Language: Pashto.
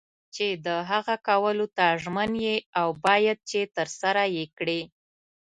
چې د هغه کولو ته ژمن یې او باید چې ترسره یې کړې.